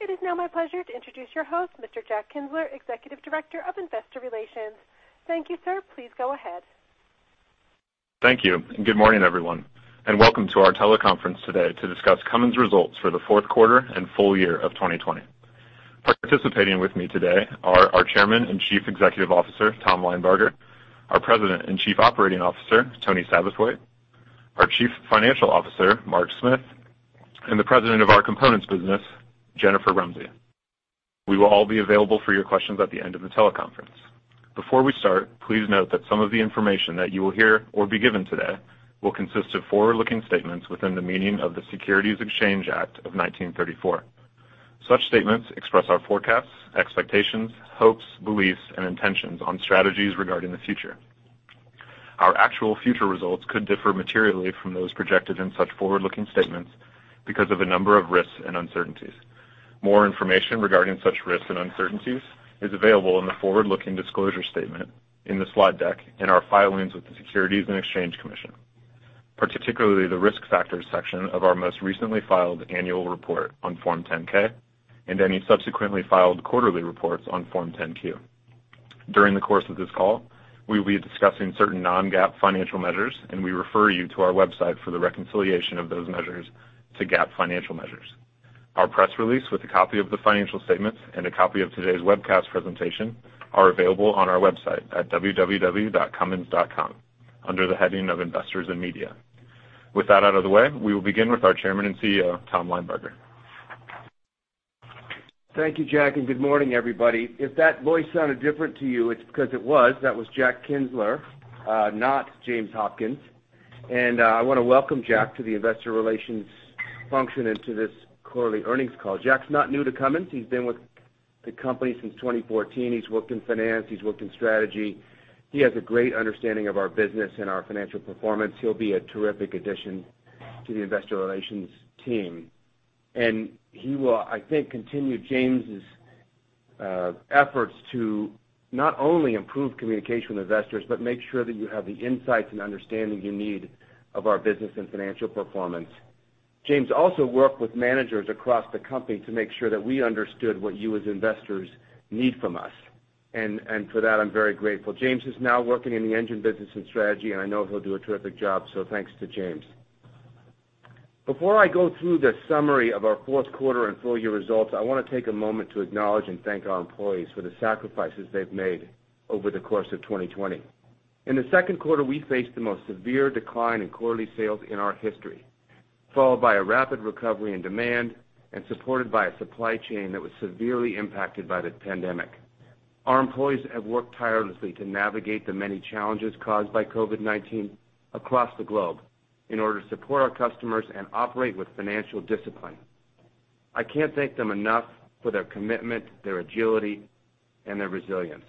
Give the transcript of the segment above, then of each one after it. It is now my pleasure to introduce your host, Mr. Jack Kienzler, Executive Director of Investor Relations. Thank you, sir. Please go ahead. Thank you. Good morning, everyone, and welcome to our teleconference today to discuss Cummins results for the fourth quarter and full year of 2020. Participating with me today are our Chairman and Chief Executive Officer, Tom Linebarger, our President and Chief Operating Officer, Tony Satterthwaite, our Chief Financial Officer, Mark Smith, and the President of our Components business, Jennifer Rumsey. We will all be available for your questions at the end of the teleconference. Before we start, please note that some of the information that you will hear or be given today will consist of forward-looking statements within the meaning of the Securities Exchange Act of 1934. Such statements express our forecasts, expectations, hopes, beliefs, and intentions on strategies regarding the future. Our actual future results could differ materially from those projected in such forward-looking statements because of a number of risks and uncertainties. More information regarding such risks and uncertainties is available in the forward-looking disclosure statement in the slide deck, in our filings with the Securities and Exchange Commission, particularly the Risk Factors section of our most recently filed annual report on Form 10-K, and any subsequently filed quarterly reports on Form 10-Q. During the course of this call, we will be discussing certain non-GAAP financial measures, and we refer you to our website for the reconciliation of those measures to GAAP financial measures. Our press release with a copy of the financial statements and a copy of today's webcast presentation are available on our website at www.cummins.com under the heading of Investors and Media. With that out of the way, we will begin with our Chairman and CEO, Tom Linebarger. Thank you, Jack. Good morning, everybody. If that voice sounded different to you, it's because it was. That was Jack Kienzler, not James Hopkins. I want to welcome Jack to the Investor Relations function and to this quarterly earnings call. Jack's not new to Cummins. He's been with the company since 2014. He's worked in finance. He's worked in strategy. He has a great understanding of our business and our financial performance. He'll be a terrific addition to the Investor Relations team. He will, I think, continue James' efforts to not only improve communication with investors but make sure that you have the insights and understanding you need of our business and financial performance. James also worked with managers across the company to make sure that we understood what you, as investors, need from us, and for that, I'm very grateful. James is now working in the engine business and strategy, and I know he'll do a terrific job. Thanks to James. Before I go through the summary of our fourth quarter and full-year results, I want to take a moment to acknowledge and thank our employees for the sacrifices they've made over the course of 2020. In the second quarter, we faced the most severe decline in quarterly sales in our history, followed by a rapid recovery in demand and supported by a supply chain that was severely impacted by the pandemic. Our employees have worked tirelessly to navigate the many challenges caused by COVID-19 across the globe in order to support our customers and operate with financial discipline. I can't thank them enough for their commitment, their agility, and their resilience.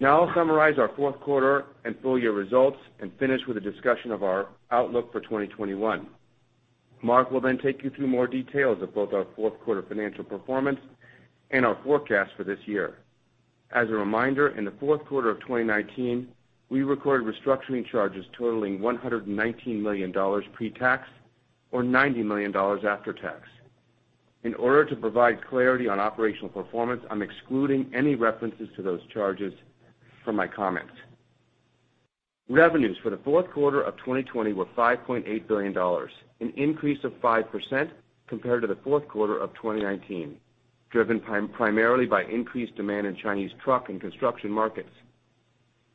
I'll summarize our fourth quarter and full-year results and finish with a discussion of our outlook for 2021. Mark will take you through more details of both our fourth quarter financial performance and our forecast for this year. As a reminder, in the fourth quarter of 2019, we recorded restructuring charges totaling $119 million pre-tax or $90 million after tax. In order to provide clarity on operational performance, I'm excluding any references to those charges from my comments. Revenues for the fourth quarter of 2020 were $5.8 billion, an increase of 5% compared to the fourth quarter of 2019, driven primarily by increased demand in Chinese truck and construction markets.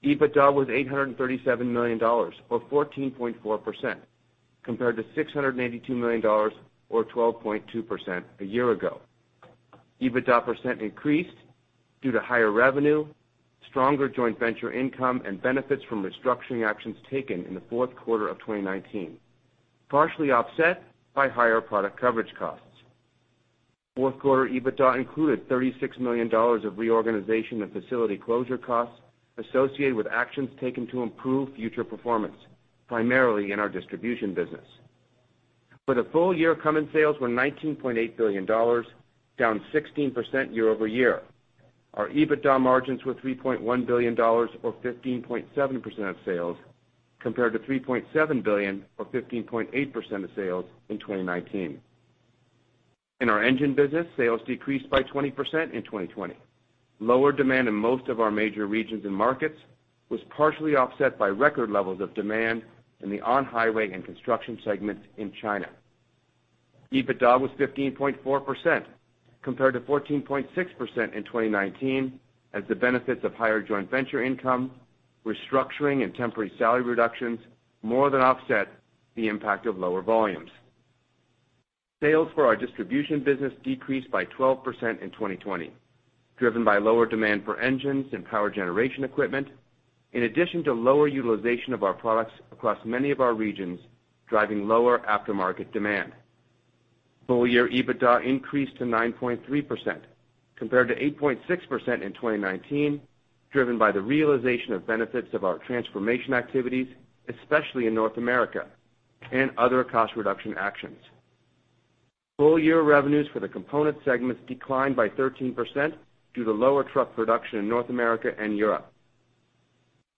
EBITDA was $837 million, or 14.4%, compared to $682 million, or 12.2%, a year ago. EBITDA percent increased due to higher revenue, stronger joint venture income, and benefits from restructuring actions taken in the fourth quarter of 2019, partially offset by higher product coverage costs. Fourth quarter EBITDA included $36 million of reorganization and facility closure costs associated with actions taken to improve future performance, primarily in our distribution business. For the full year, Cummins sales were $19.8 billion, down 16% year-over-year. Our EBITDA margins were $3.1 billion or 15.7% of sales, compared to $3.7 billion or 15.8% of sales in 2019. In our engine business, sales decreased by 20% in 2020. Lower demand in most of our major regions and markets was partially offset by record levels of demand in the on-highway and construction segments in China. EBITDA was 15.4%, compared to 14.6% in 2019, as the benefits of higher joint venture income, restructuring, and temporary salary reductions more than offset the impact of lower volumes. Sales for our distribution business decreased by 12% in 2020, driven by lower demand for engines and power generation equipment, in addition to lower utilization of our products across many of our regions, driving lower aftermarket demand. Full year EBITDA increased to 9.3%, compared to 8.6% in 2019, driven by the realization of benefits of our transformation activities, especially in North America, and other cost reduction actions. Full year revenues for the component segments declined by 13% due to lower truck production in North America and Europe.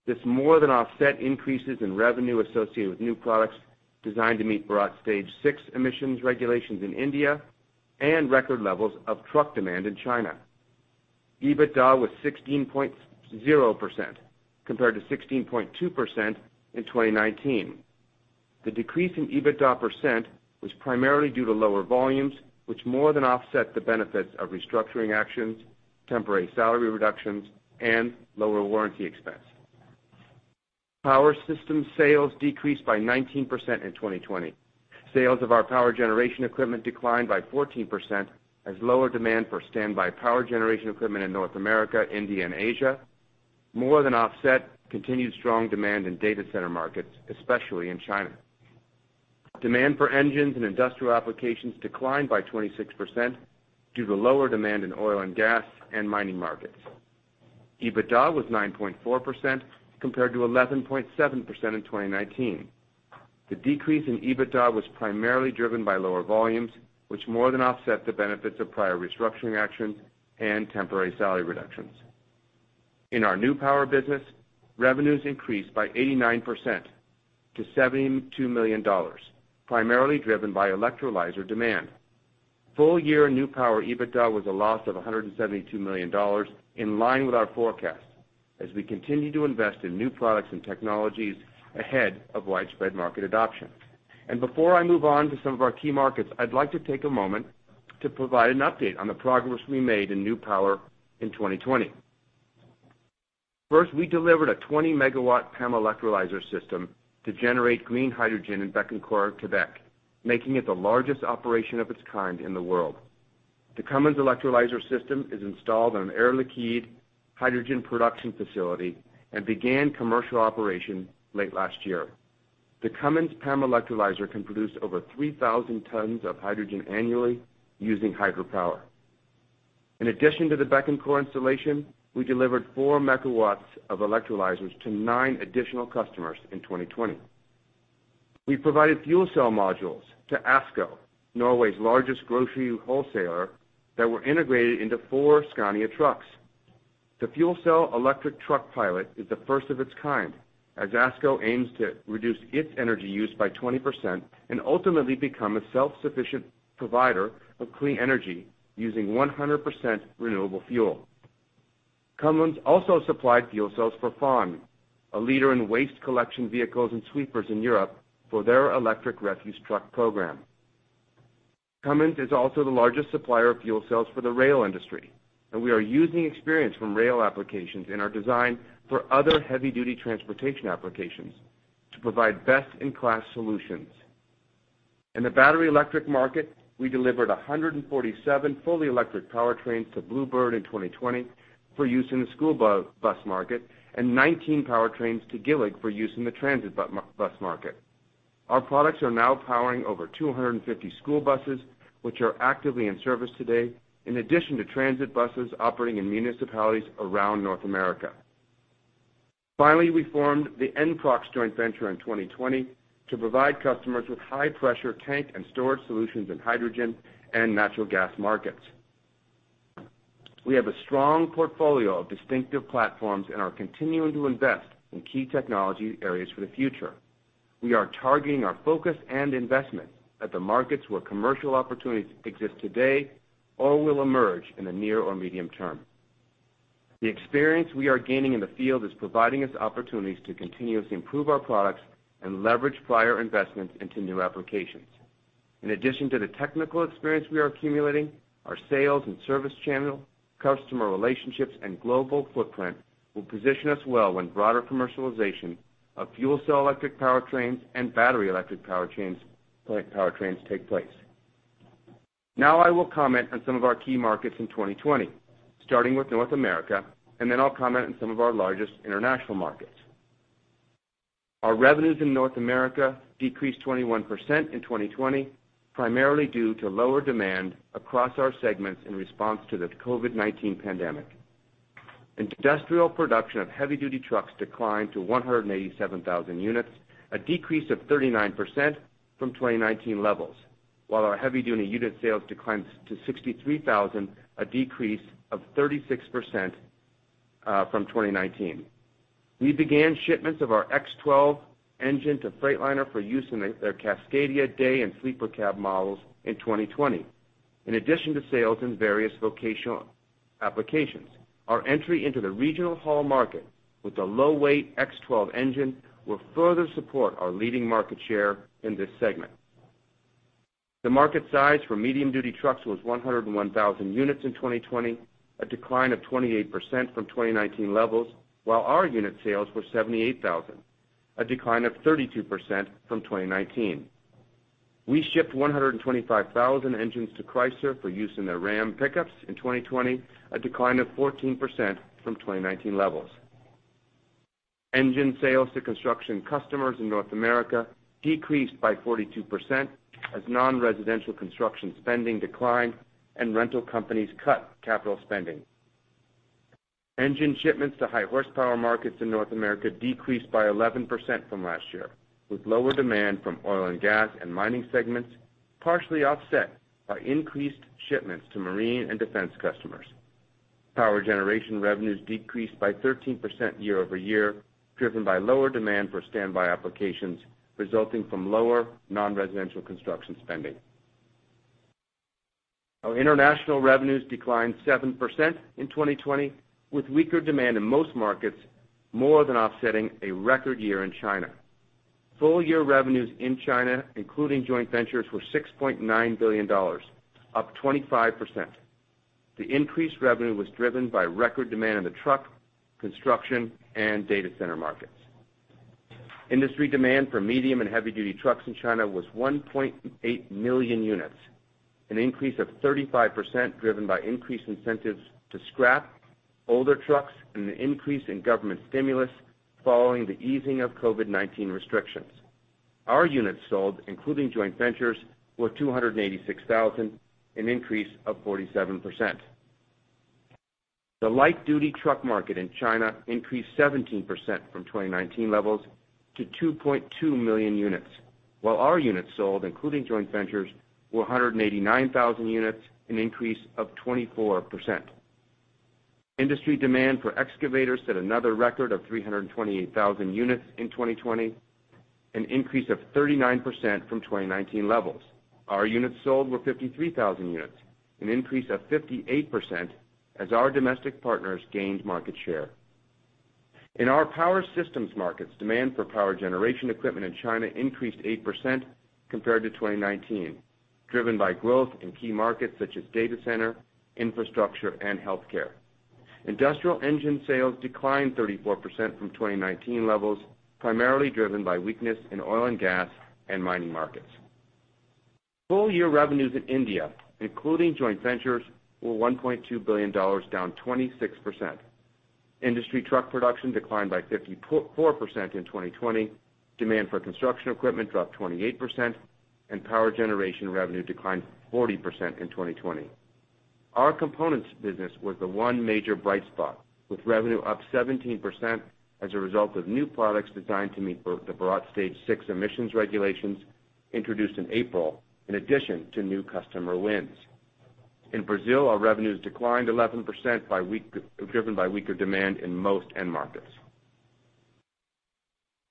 This more than offset increases in revenue associated with new products designed to meet Bharat Stage VI emissions regulations in India and record levels of truck demand in China. EBITDA was 16.0%, compared to 16.2% in 2019. The decrease in EBITDA percent was primarily due to lower volumes, which more than offset the benefits of restructuring actions, temporary salary reductions, and lower warranty expense. Power System sales decreased by 19% in 2020. Sales of our power generation equipment declined by 14% as lower demand for standby power generation equipment in North America, India, and Asia more than offset continued strong demand in data center markets, especially in China. Demand for engines and industrial applications declined by 26% due to lower demand in oil and gas and mining markets. EBITDA was 9.4%, compared to 11.7% in 2019. The decrease in EBITDA was primarily driven by lower volumes, which more than offset the benefits of prior restructuring actions and temporary salary reductions. In our new power business, revenues increased by 89% to $72 million, primarily driven by electrolyzer demand. Full year new power EBITDA was a loss of $172 million, in line with our forecast, as we continue to invest in new products and technologies ahead of widespread market adoption. Before I move on to some of our key markets, I'd like to take a moment to provide an update on the progress we made in new power in 2020. First, we delivered a 20 MW PEM electrolyzer system to generate green hydrogen in Bécancour, Quebec, making it the largest operation of its kind in the world. The Cummins electrolyzer system is installed on an Air Liquide hydrogen production facility and began commercial operation late last year. The Cummins PEM electrolyzer can produce over 3,000 tons of hydrogen annually using hydropower. In addition to the Bécancour installation, we delivered 4 MW of electrolyzers to nine additional customers in 2020. We provided fuel cell modules to ASKO, Norway's largest grocery wholesaler, that were integrated into four Scania trucks. The fuel cell electric truck pilot is the first of its kind, as ASKO aims to reduce its energy use by 20% and ultimately become a self-sufficient provider of clean energy using 100% renewable fuel. Cummins also supplied fuel cells for FAUN, a leader in waste collection vehicles and sweepers in Europe, for their electric refuse truck program. Cummins is also the largest supplier of fuel cells for the rail industry, and we are using experience from rail applications in our design for other heavy-duty transportation applications to provide best-in-class solutions. In the battery electric market, we delivered 147 fully electric powertrains to Blue Bird in 2020 for use in the school bus market and 19 powertrains to GILLIG for use in the transit bus market. Our products are now powering over 250 school buses, which are actively in service today, in addition to transit buses operating in municipalities around North America. We formed the NPROXX joint venture in 2020 to provide customers with high-pressure tank and storage solutions in hydrogen and natural gas markets. We have a strong portfolio of distinctive platforms and are continuing to invest in key technology areas for the future. We are targeting our focus and investment at the markets where commercial opportunities exist today or will emerge in the near or medium term. The experience we are gaining in the field is providing us opportunities to continuously improve our products and leverage prior investments into new applications. In addition to the technical experience we are accumulating, our sales and service channel, customer relationships, and global footprint will position us well when broader commercialization of fuel cell electric powertrains and battery electric powertrains take place. Now I will comment on some of our key markets in 2020, starting with North America, and then I'll comment on some of our largest international markets. Our revenues in North America decreased 21% in 2020, primarily due to lower demand across our segments in response to the COVID-19 pandemic. Industrial production of heavy-duty trucks declined to 187,000 units, a decrease of 39% from 2019 levels, while our heavy-duty unit sales declined to 63,000, a decrease of 36% from 2019. We began shipments of our X12 engine to Freightliner for use in their Cascadia Day and Sleeper Cab models in 2020. In addition to sales in various vocational applications, our entry into the regional haul market with the low-weight X12 engine will further support our leading market share in this segment. The market size for medium-duty trucks was 101,000 units in 2020, a decline of 28% from 2019 levels, while our unit sales were 78,000, a decline of 32% from 2019. We shipped 125,000 engines to Chrysler for use in their Ram pickups in 2020, a decline of 14% from 2019 levels. Engine sales to construction customers in North America decreased by 42% as non-residential construction spending declined and rental companies cut capital spending. Engine shipments to high horsepower markets in North America decreased by 11% from last year, with lower demand from oil and gas and mining segments, partially offset by increased shipments to marine and defense customers. Power generation revenues decreased by 13% year-over-year, driven by lower demand for standby applications resulting from lower non-residential construction spending. Our international revenues declined 7% in 2020, with weaker demand in most markets, more than offsetting a record year in China. Full year revenues in China, including joint ventures, were $6.9 billion, up 25%. The increased revenue was driven by record demand in the truck, construction, and data center markets. Industry demand for medium and heavy duty trucks in China was 1.8 million units, an increase of 35% driven by increased incentives to scrap older trucks and an increase in government stimulus following the easing of COVID-19 restrictions. Our units sold, including joint ventures, were 286,000, an increase of 47%. The light duty truck market in China increased 17% from 2019 levels to 2.2 million units, while our units sold, including joint ventures, were 189,000 units, an increase of 24%. Industry demand for excavators set another record of 328,000 units in 2020, an increase of 39% from 2019 levels. Our units sold were 53,000 units, an increase of 58% as our domestic partners gained market share. In our power systems markets, demand for power generation equipment in China increased 8% compared to 2019, driven by growth in key markets such as data center, infrastructure, and healthcare. Industrial engine sales declined 34% from 2019 levels, primarily driven by weakness in oil and gas and mining markets. Full year revenues in India, including joint ventures, were $1.2 billion, down 26%. Industry truck production declined by 54% in 2020. Demand for construction equipment dropped 28%, and power generation revenue declined 40% in 2020. Our components business was the one major bright spot, with revenue up 17% as a result of new products designed to meet both the Bharat Stage VI emissions regulations introduced in April in addition to new customer wins. In Brazil, our revenues declined 11%, driven by weaker demand in most end markets.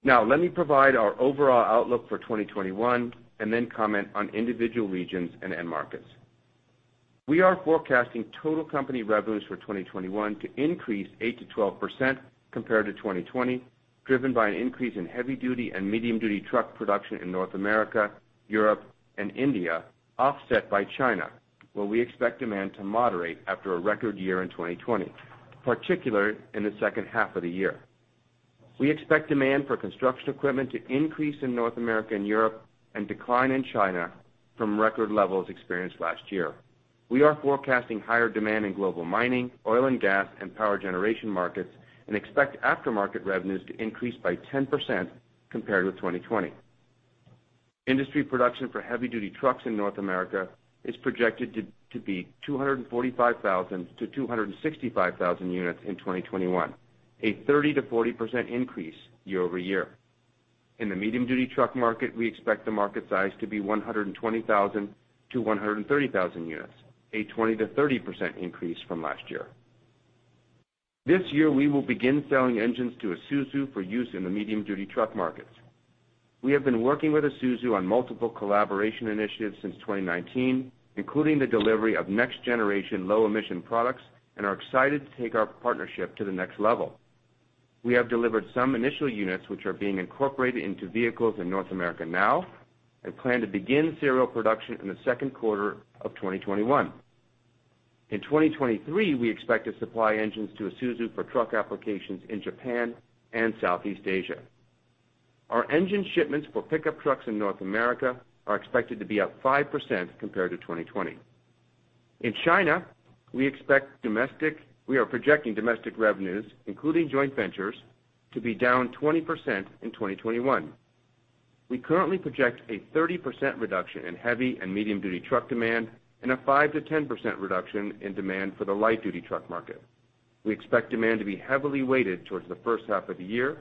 Let me provide our overall outlook for 2021 and then comment on individual regions and end markets. We are forecasting total company revenues for 2021 to increase 8%-12% compared to 2020, driven by an increase in heavy duty and medium duty truck production in North America, Europe, and India, offset by China, where we expect demand to moderate after a record year in 2020, particularly in the second half of the year. We expect demand for construction equipment to increase in North America and Europe and decline in China from record levels experienced last year. We are forecasting higher demand in global mining, oil and gas, and power generation markets and expect aftermarket revenues to increase by 10% compared with 2020. Industry production for heavy-duty trucks in North America is projected to be 245,000 to 265,000 units in 2021, a 30%-40% increase year-over-year. In the medium-duty truck market, we expect the market size to be 120,000 to 130,000 units, a 20%-30% increase from last year. This year, we will begin selling engines to Isuzu for use in the medium-duty truck markets. We have been working with Isuzu on multiple collaboration initiatives since 2019, including the delivery of next-generation low-emission products, and are excited to take our partnership to the next level. We have delivered some initial units, which are being incorporated into vehicles in North America now and plan to begin serial production in the second quarter of 2021. In 2023, we expect to supply engines to Isuzu for truck applications in Japan and Southeast Asia. Our engine shipments for pickup trucks in North America are expected to be up 5% compared to 2020. In China, we are projecting domestic revenues, including joint ventures, to be down 20% in 2021. We currently project a 30% reduction in heavy and medium duty truck demand and a 5%-10% reduction in demand for the light duty truck market. We expect demand to be heavily weighted towards the first half of the year,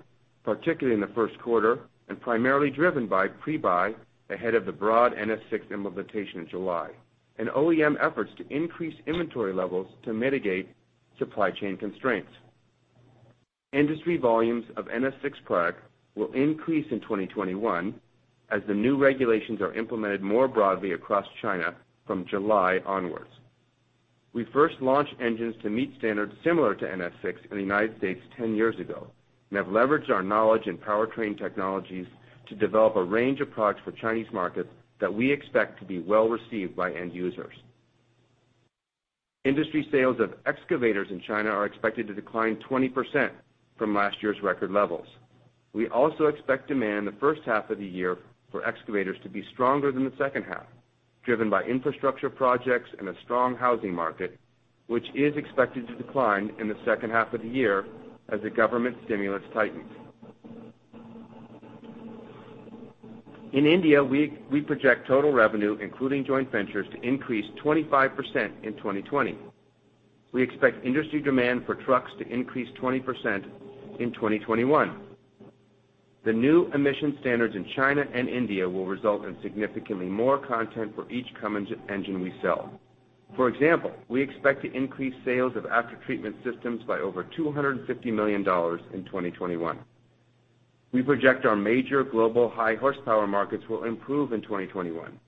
particularly in the first quarter, and primarily driven by pre-buy ahead of the broad NS VI implementation in July and OEM efforts to increase inventory levels to mitigate supply chain constraints. Industry volumes of NS VI products will increase in 2021 as the new regulations are implemented more broadly across China from July onwards. We first launched engines to meet standards similar to NS VI in the U.S. 10 years ago and have leveraged our knowledge in powertrain technologies to develop a range of products for Chinese markets that we expect to be well received by end users. Industry sales of excavators in China are expected to decline 20% from last year's record levels. We also expect demand in the first half of the year for excavators to be stronger than the second half. Driven by infrastructure projects and a strong housing market, which is expected to decline in the second half of the year as the government stimulus tightens. In India, we project total revenue, including joint ventures, to increase 25% in 2020. We expect industry demand for trucks to increase 20% in 2021. The new emission standards in China and India will result in significantly more content for each Cummins engine we sell. For example, we expect to increase sales of after-treatment systems by over $250 million in 2021. We project our major global high horsepower markets will improve in 2021.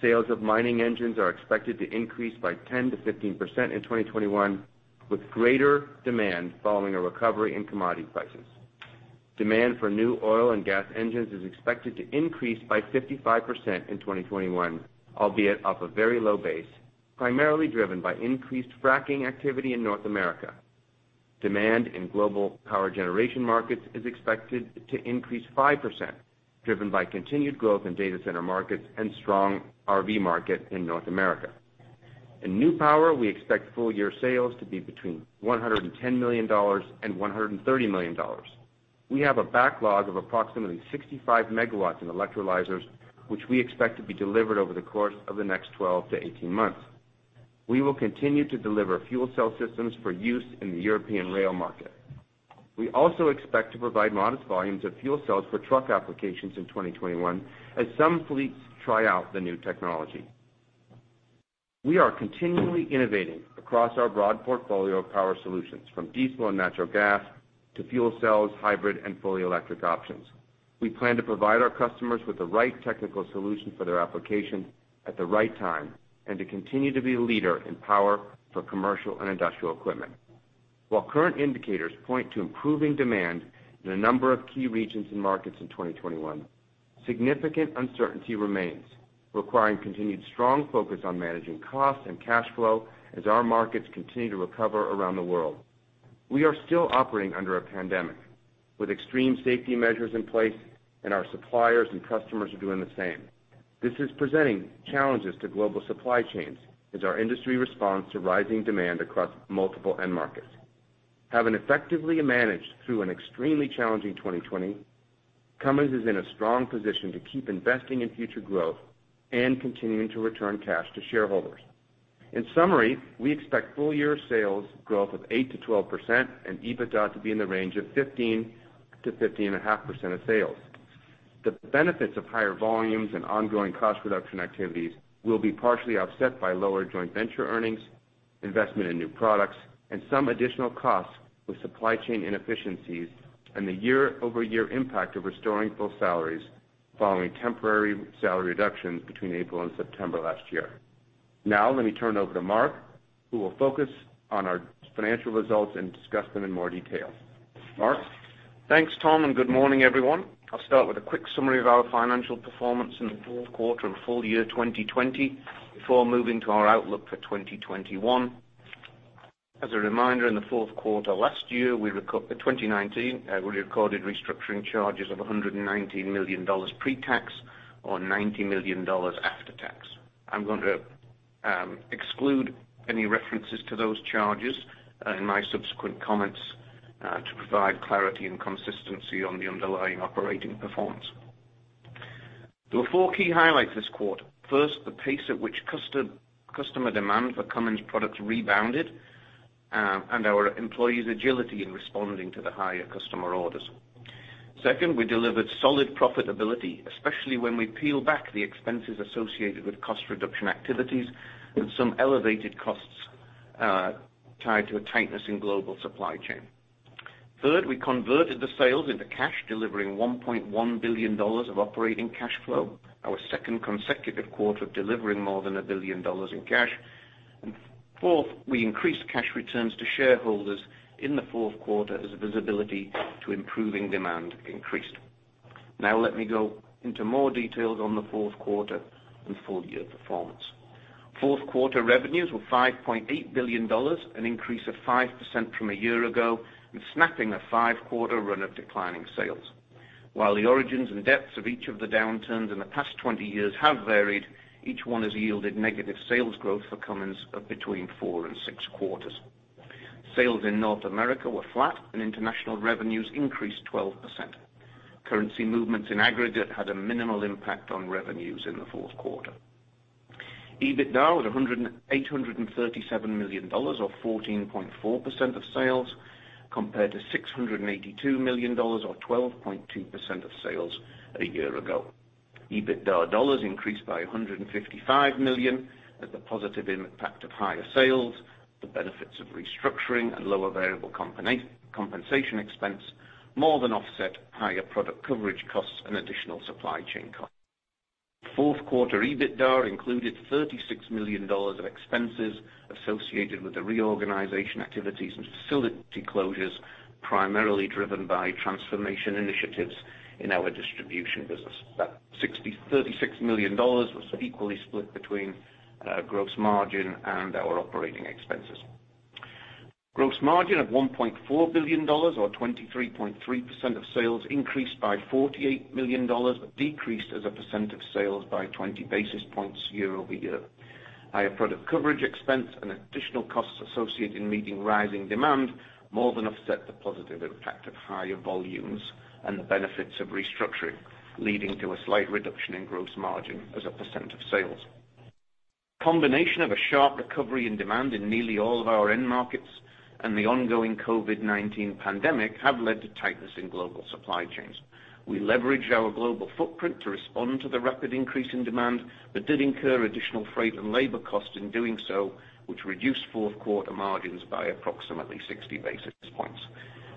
Sales of mining engines are expected to increase by 10%-15% in 2021, with greater demand following a recovery in commodity prices. Demand for new oil and gas engines is expected to increase by 55% in 2021, albeit off a very low base, primarily driven by increased fracking activity in North America. Demand in global power generation markets is expected to increase 5%, driven by continued growth in data center markets and strong RV market in North America. In new power, we expect full-year sales to be between $110 million and $130 million. We have a backlog of approximately 65 megawatts in electrolyzers, which we expect to be delivered over the course of the next 12 to 18 months. We will continue to deliver fuel cell systems for use in the European rail market. We also expect to provide modest volumes of fuel cells for truck applications in 2021 as some fleets try out the new technology. We are continually innovating across our broad portfolio of power solutions, from diesel and natural gas to fuel cells, hybrid, and fully electric options. We plan to provide our customers with the right technical solution for their application at the right time and to continue to be a leader in power for commercial and industrial equipment. While current indicators point to improving demand in a number of key regions and markets in 2021, significant uncertainty remains, requiring continued strong focus on managing costs and cash flow as our markets continue to recover around the world. We are still operating under a pandemic with extreme safety measures in place, and our suppliers and customers are doing the same. This is presenting challenges to global supply chains as our industry responds to rising demand across multiple end markets. Having effectively managed through an extremely challenging 2020, Cummins is in a strong position to keep investing in future growth and continuing to return cash to shareholders. In summary, we expect full-year sales growth of 8%-12% and EBITDA to be in the range of 15%-15.5% of sales. The benefits of higher volumes and ongoing cost reduction activities will be partially offset by lower joint venture earnings, investment in new products, and some additional costs with supply chain inefficiencies and the year-over-year impact of restoring full salaries following temporary salary reductions between April and September last year. Now let me turn it over to Mark, who will focus on our financial results and discuss them in more detail. Mark? Thanks, Tom. Good morning, everyone. I'll start with a quick summary of our financial performance in the fourth quarter and full year 2020 before moving to our outlook for 2021. As a reminder, in the fourth quarter last year, 2019, we recorded restructuring charges of $119 million pre-tax or $90 million after tax. I'm going to exclude any references to those charges in my subsequent comments to provide clarity and consistency on the underlying operating performance. There were four key highlights this quarter. First, the pace at which customer demand for Cummins products rebounded, our employees' agility in responding to the higher customer orders. Second, we delivered solid profitability, especially when we peel back the expenses associated with cost reduction activities and some elevated costs tied to a tightness in global supply chain. Third, we converted the sales into cash, delivering $1.1 billion of operating cash flow, our second consecutive quarter of delivering more than a billion dollars in cash. Fourth, we increased cash returns to shareholders in the fourth quarter as visibility to improving demand increased. Let me go into more details on the fourth quarter and full-year performance. Fourth quarter revenues were $5.8 billion, an increase of 5% from a year ago and snapping a five-quarter run of declining sales. While the origins and depths of each of the downturns in the past 20 years have varied, each one has yielded negative sales growth for Cummins of between four and six quarters. Sales in North America were flat and international revenues increased 12%. Currency movements in aggregate had a minimal impact on revenues in the fourth quarter. EBITDA was $837 million or 14.4% of sales, compared to $682 million or 12.2% of sales a year ago. EBITDA dollars increased by $155 million as the positive impact of higher sales, the benefits of restructuring and lower variable compensation expense more than offset higher product coverage costs and additional supply chain costs. Fourth quarter EBITDA included $36 million of expenses associated with the reorganization activities and facility closures, primarily driven by transformation initiatives in our distribution business. That $36 million was equally split between gross margin and our operating expenses. Gross margin of $1.4 billion or 23.3% of sales increased by $48 million, decreased as a percent of sales by 20 basis points year-over-year. Higher product coverage expense and additional costs associated in meeting rising demand more than offset the positive impact of higher volumes and the benefits of restructuring, leading to a slight reduction in gross margin as a % of sales. Combination of a sharp recovery in demand in nearly all of our end markets and the ongoing COVID-19 pandemic have led to tightness in global supply chains. We leveraged our global footprint to respond to the rapid increase in demand, but did incur additional freight and labor costs in doing so, which reduced fourth quarter margins by approximately 60 basis points.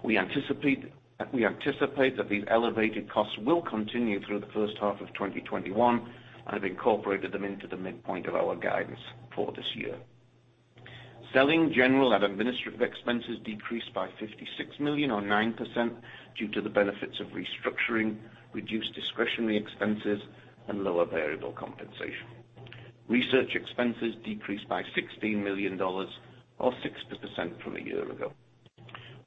We anticipate that these elevated costs will continue through the first half of 2021 and have incorporated them into the midpoint of our guidance for this year. Selling, general, and administrative expenses decreased by $56 million or 9% due to the benefits of restructuring, reduced discretionary expenses, and lower variable compensation. Research expenses decreased by $16 million or 6% from a year ago.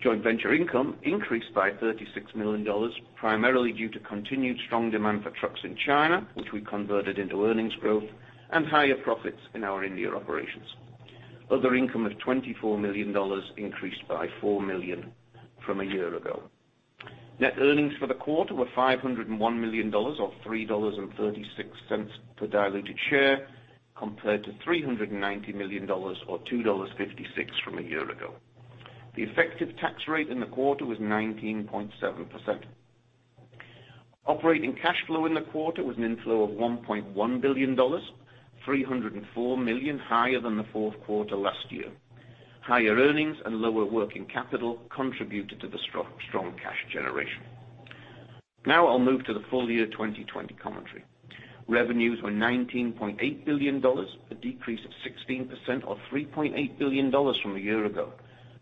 Joint venture income increased by $36 million, primarily due to continued strong demand for trucks in China, which we converted into earnings growth and higher profits in our India operations. Other income of $24 million increased by $4 million from a year ago. Net earnings for the quarter were $501 million or $3.36 per diluted share, compared to $390 million or $2.56 from a year ago. The effective tax rate in the quarter was 19.7%. Operating cash flow in the quarter was an inflow of $1.1 billion, $304 million higher than the fourth quarter last year. Higher earnings and lower working capital contributed to the strong cash generation. Now I'll move to the full year 2020 commentary. Revenues were $19.8 billion, a decrease of 16% or $3.8 billion from a year ago,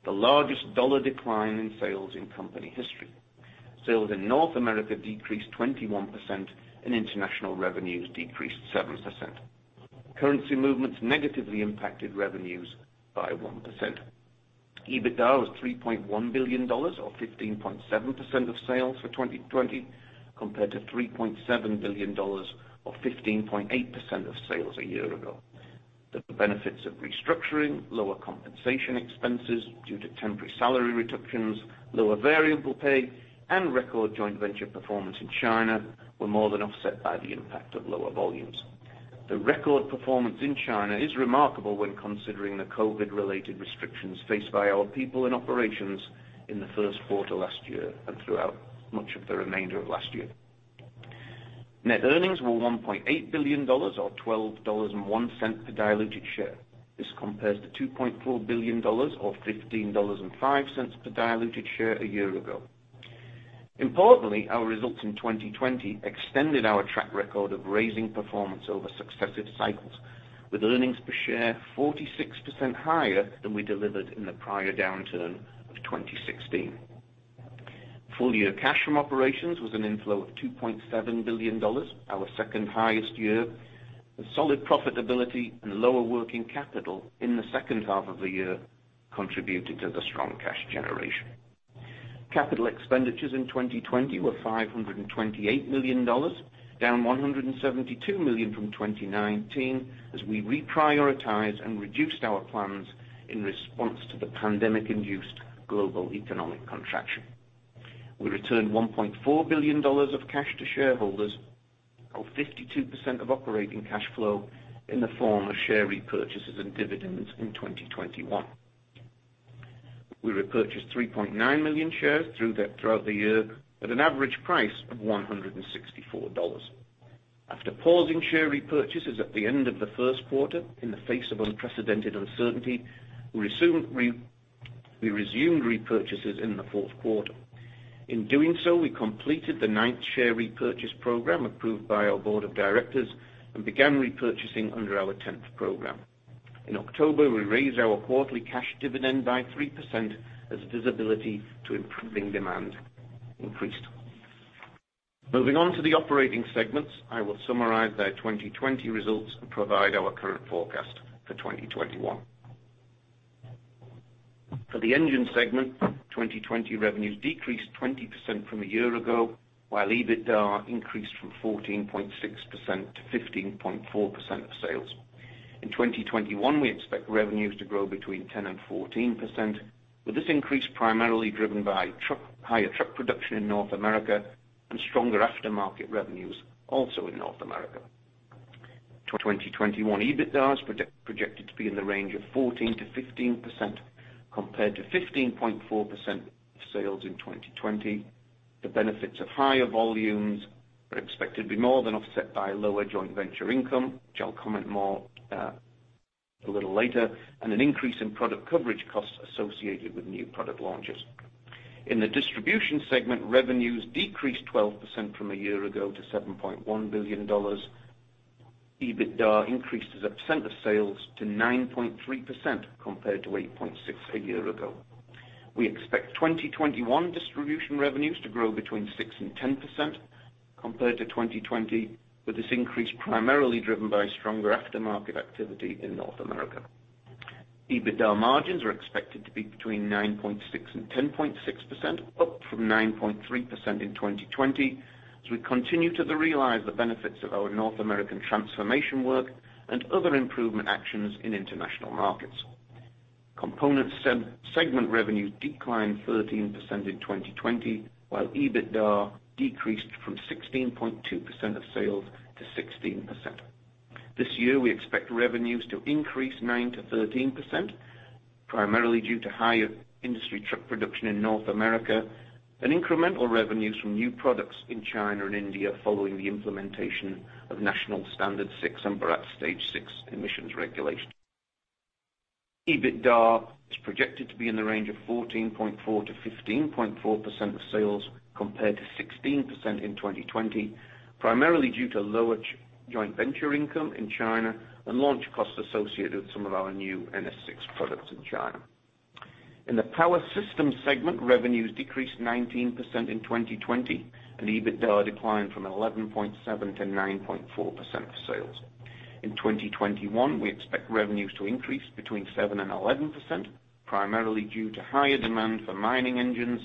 the largest dollar decline in sales in company history. Sales in North America decreased 21%, and international revenues decreased 7%. Currency movements negatively impacted revenues by 1%. EBITDA was $3.1 billion or 15.7% of sales for 2020 compared to $3.7 billion or 15.8% of sales a year ago. The benefits of restructuring, lower compensation expenses due to temporary salary reductions, lower variable pay, and record joint venture performance in China were more than offset by the impact of lower volumes. The record performance in China is remarkable when considering the COVID-related restrictions faced by our people in operations in the first quarter last year and throughout much of the remainder of last year. Net earnings were $1.8 billion or $12.01 per diluted share. This compares to $2.4 billion or $15.05 per diluted share a year ago. Importantly, our results in 2020 extended our track record of raising performance over successive cycles, with earnings per share 46% higher than we delivered in the prior downturn of 2016. Full year cash from operations was an inflow of $2.7 billion, our second highest year. The solid profitability and lower working capital in the second half of the year contributed to the strong cash generation. Capital expenditures in 2020 were $528 million, down $172 million from 2019 as we reprioritized and reduced our plans in response to the pandemic-induced global economic contraction. We returned $1.4 billion of cash to shareholders, or 52% of operating cash flow in the form of share repurchases and dividends in 2021. We repurchased 3.9 million shares throughout the year at an average price of $164. After pausing share repurchases at the end of the first quarter in the face of unprecedented uncertainty, we resumed repurchases in the fourth quarter. In doing so, we completed the ninth share repurchase program approved by our board of directors and began repurchasing under our tenth program. In October, we raised our quarterly cash dividend by 3% as visibility to improving demand increased. Moving on to the operating segments, I will summarize their 2020 results and provide our current forecast for 2021. For the engine segment, 2020 revenues decreased 20% from a year ago, while EBITDA increased from 14.6% to 15.4% of sales. In 2021, we expect revenues to grow between 10% and 14%, with this increase primarily driven by higher truck production in North America and stronger aftermarket revenues also in North America. 2021 EBITDA is projected to be in the range of 14%-15%, compared to 15.4% of sales in 2020. The benefits of higher volumes are expected to be more than offset by lower joint venture income, which I'll comment more a little later, and an increase in product coverage costs associated with new product launches. In the Distribution segment, revenues decreased 12% from a year ago to $7.1 billion. EBITDA increased as a percent of sales to 9.3% compared to 8.6% a year ago. We expect 2021 Distribution revenues to grow between 6% and 10% compared to 2020, with this increase primarily driven by stronger aftermarket activity in North America. EBITDA margins are expected to be between 9.6% and 10.6%, up from 9.3% in 2020, as we continue to realize the benefits of our North American transformation work and other improvement actions in international markets. Components segment revenues declined 13% in 2020, while EBITDA decreased from 16.2% of sales to 16%. This year, we expect revenues to increase 9%-13%, primarily due to higher industry truck production in North America and incremental revenues from new products in China and India following the implementation of National Standard VI and Bharat Stage VI emissions regulations. EBITDA is projected to be in the range of 14.4%-15.4% of sales, compared to 16% in 2020, primarily due to lower joint venture income in China and launch costs associated with some of our new NS6 products in China. In the power systems segment, revenues decreased 19% in 2020, and EBITDA declined from 11.7% to 9.4% of sales. In 2021, we expect revenues to increase between 7% and 11%, primarily due to higher demand for mining engines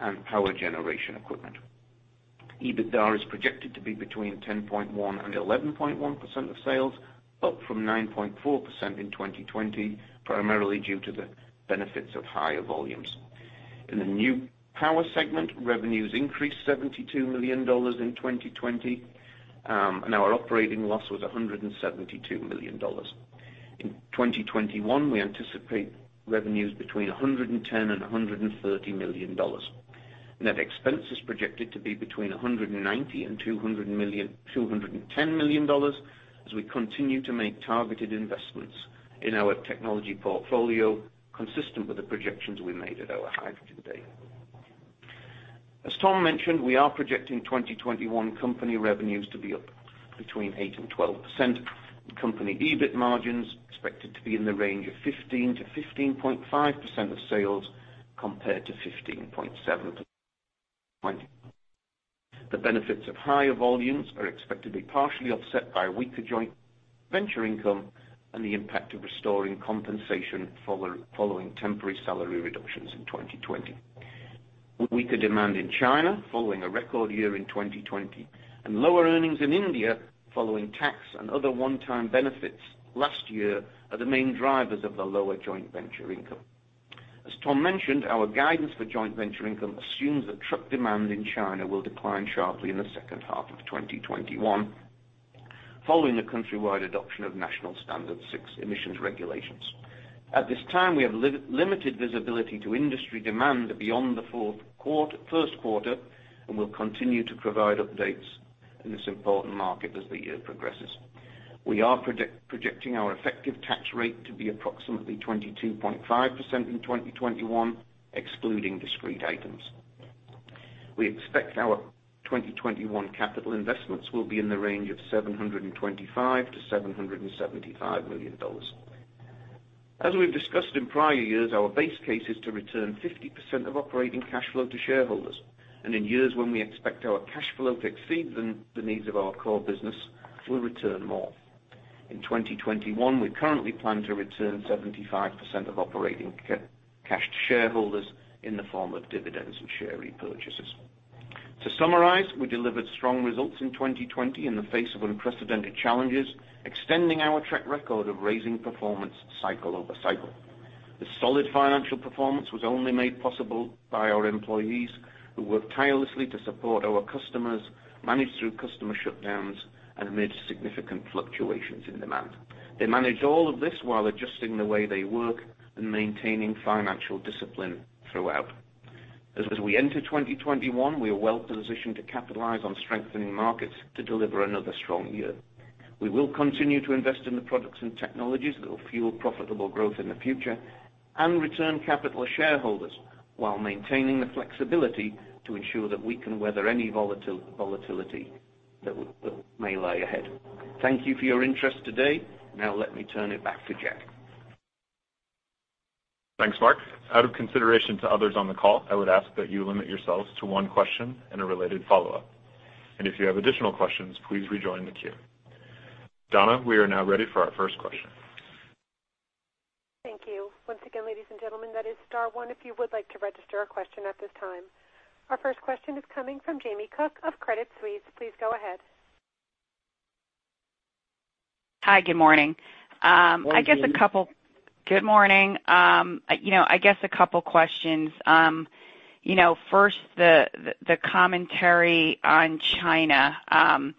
and power generation equipment. EBITDA is projected to be between 10.1% and 11.1% of sales, up from 9.4% in 2020, primarily due to the benefits of higher volumes. In the new power segment, revenues increased $72 million in 2020, and our operating loss was $172 million. In 2021, we anticipate revenues between $110 million and $130 million. Net expense is projected to be between $190 million and $210 million as we continue to make targeted investments in our technology portfolio, consistent with the projections we made at our Hydrogen Day. As Tom mentioned, we are projecting 2021 company revenues to be up between 8% and 12%, and company EBIT margins expected to be in the range of 15%-15.5% of sales, compared to 15.7% in 2020. The benefits of higher volumes are expected to be partially offset by weaker joint venture income and the impact of restoring compensation following temporary salary reductions in 2020. Weaker demand in China following a record year in 2020 and lower earnings in India following tax and other one-time benefits last year are the main drivers of the lower joint venture income. As Tom mentioned, our guidance for joint venture income assumes that truck demand in China will decline sharply in the second half of 2021 following the countrywide adoption of National Standard VI emissions regulations. At this time, we have limited visibility to industry demand beyond the first quarter, and we'll continue to provide updates in this important market as the year progresses. We are projecting our effective tax rate to be approximately 22.5% in 2021, excluding discrete items. We expect our 2021 capital investments will be in the range of $725 million-$775 million. As we've discussed in prior years, our base case is to return 50% of operating cash flow to shareholders, and in years when we expect our cash flow to exceed the needs of our core business, we'll return more. In 2021, we currently plan to return 75% of operating cash to shareholders in the form of dividends and share repurchases. To summarize, we delivered strong results in 2020 in the face of unprecedented challenges, extending our track record of raising performance cycle over cycle. This solid financial performance was only made possible by our employees, who worked tirelessly to support our customers, manage through customer shutdowns, and amid significant fluctuations in demand. They managed all of this while adjusting the way they work and maintaining financial discipline throughout. As we enter 2021, we are well positioned to capitalize on strengthening markets to deliver another strong year. We will continue to invest in the products and technologies that will fuel profitable growth in the future and return capital to shareholders while maintaining the flexibility to ensure that we can weather any volatility that may lie ahead. Thank you for your interest today. Let me turn it back to Jack. Thanks, Mark. Out of consideration to others on the call, I would ask that you limit yourselves to one question and a related follow-up. If you have additional questions, please rejoin the queue. Donna, we are now ready for our first question. Thank you. Once again, ladies and gentlemen, that is star one if you would like to register a question at this time. Our first question is coming from Jamie Cook of Credit Suisse. Please go ahead. Morning, Jamie. Good morning. I guess a couple questions. First, the commentary on China.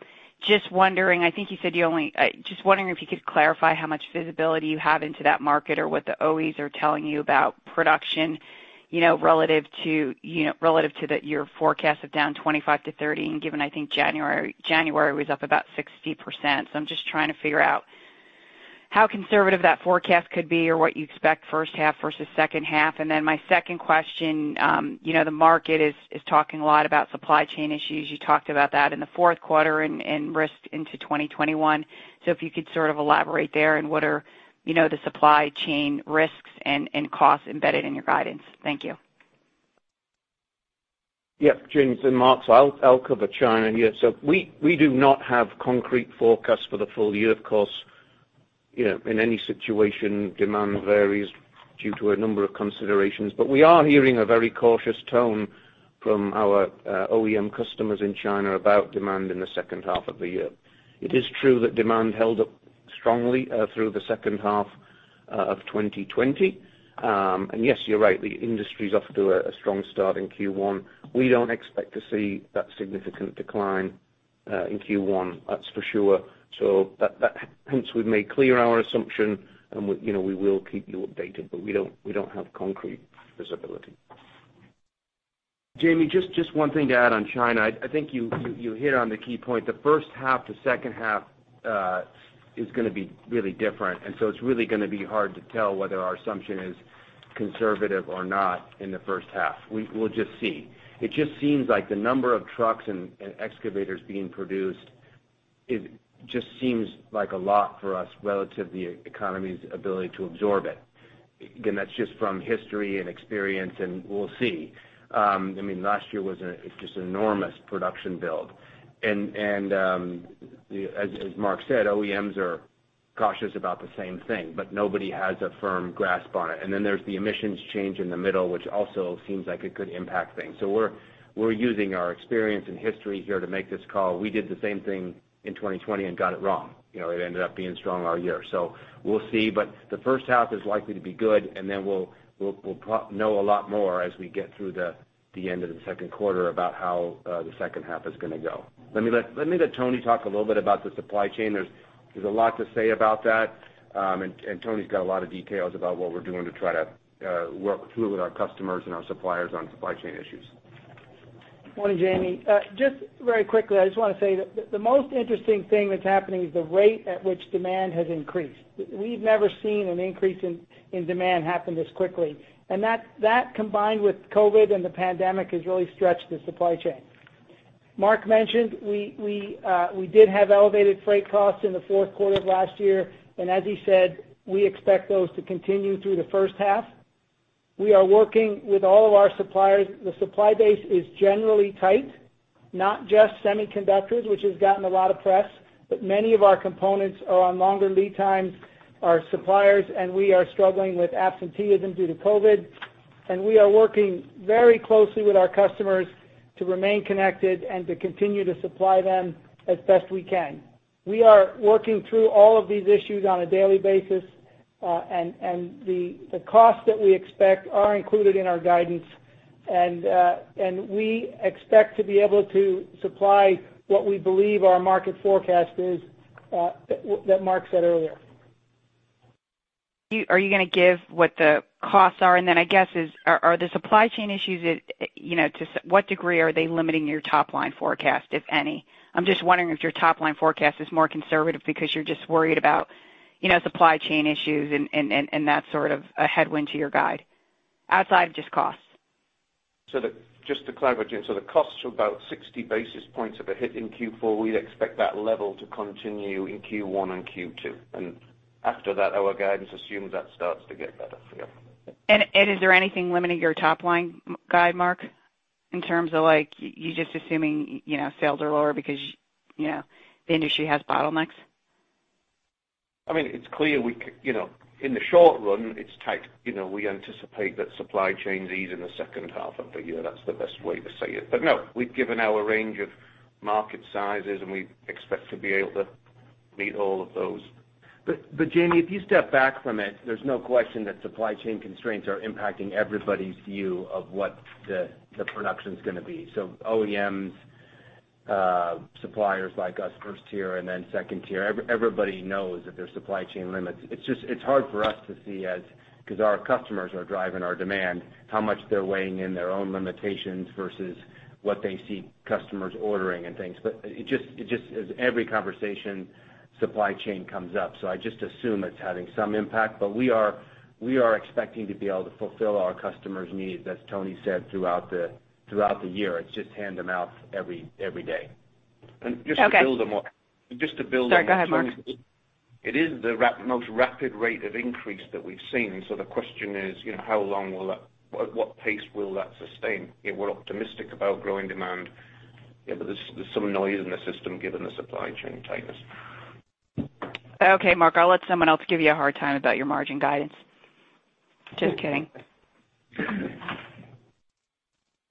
Just wondering if you could clarify how much visibility you have into that market or what the OEs are telling you about production relative to your forecast of down 25%-30%, and given I think January was up about 60%? I'm just trying to figure out how conservative that forecast could be or what you expect first half versus second half. My second question, the market is talking a lot about supply chain issues. You talked about that in the fourth quarter and risks into 2021. If you could sort of elaborate there and what are the supply chain risks and costs embedded in your guidance? Thank you. Yep, Jamie, it's Mark. I'll cover China here. We do not have concrete forecasts for the full year. Of course, in any situation, demand varies due to a number of considerations. We are hearing a very cautious tone from our OEM customers in China about demand in the second half of the year. It is true that demand held up strongly through the second half of 2020. Yes, you're right, the industry's off to a strong start in Q1. We don't expect to see that significant decline in Q1, that's for sure. Hence, we've made clear our assumption and we will keep you updated, but we don't have concrete visibility. Jamie, just one thing to add on China. I think you hit on the key point. The first half to second half is going to be really different. It's really going to be hard to tell whether our assumption is conservative or not in the first half. We'll just see. It just seems like the number of trucks and excavators being produced, it just seems like a lot for us relative to the economy's ability to absorb it. Again, that's just from history and experience, and we'll see. Last year was just an enormous production build. As Mark said, OEMs are cautious about the same thing, but nobody has a firm grasp on it. There's the emissions change in the middle, which also seems like it could impact things. We're using our experience and history here to make this call. We did the same thing in 2020 and got it wrong. It ended up being strong all year. We'll see, but the first half is likely to be good, and then we'll know a lot more as we get through the end of the second quarter about how the second half is going to go. Let me let Tony talk a little bit about the supply chain. There's a lot to say about that, and Tony's got a lot of details about what we're doing to try to work through with our customers and our suppliers on supply chain issues. Morning, Jamie. Just very quickly, I just want to say that the most interesting thing that's happening is the rate at which demand has increased. We've never seen an increase in demand happen this quickly. That, combined with COVID and the pandemic, has really stretched the supply chain. Mark mentioned we did have elevated freight costs in the fourth quarter of last year, and as he said, we expect those to continue through the first half. We are working with all of our suppliers. The supply base is generally tight, not just semiconductors, which has gotten a lot of press, but many of our components are on longer lead times. Our suppliers and we are struggling with absenteeism due to COVID, and we are working very closely with our customers to remain connected and to continue to supply them as best we can. We are working through all of these issues on a daily basis, the costs that we expect are included in our guidance. We expect to be able to supply what we believe our market forecast is that Mark said earlier. Are you going to give what the costs are? I guess, are the supply chain issues? To what degree are they limiting your top-line forecast, if any? I'm just wondering if your top-line forecast is more conservative because you're just worried about supply chain issues and that sort of a headwind to your guide outside of just costs. Just to clarify, so the costs are about 60 basis points of a hit in Q4. We'd expect that level to continue in Q1 and Q2. After that, our guidance assumes that starts to get better. Is there anything limiting your top-line guide, Mark, in terms of you're just assuming sales are lower because the industry has bottlenecks? It's clear, in the short run, it's tight. We anticipate that supply chain ease in the second half of the year. That's the best way to say it. No, we've given our range of market sizes, and we expect to be able to meet all of those. Jamie, if you step back from it, there's no question that supply chain constraints are impacting everybody's view of what the production's going to be. OEMs, suppliers like us first tier and then second tier, everybody knows that there's supply chain limits. It's hard for us to see as, because our customers are driving our demand, how much they're weighing in their own limitations versus what they see customers ordering and things. It just is every conversation, supply chain comes up. I just assume it's having some impact. We are expecting to be able to fulfill our customers' needs, as Tony said, throughout the year. It's just hand to mouth every day. Okay. Just to build on what Tony... Sorry, go ahead, Mark. It is the most rapid rate of increase that we've seen. The question is, what pace will that sustain? We're optimistic about growing demand, but there's some noise in the system given the supply chain tightness. Okay, Mark, I'll let someone else give you a hard time about your margin guidance. Just kidding.